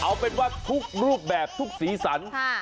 เอาเป็นว่าทุกรูปแบบทุกสีสัน